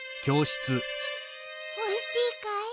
おいしいかい？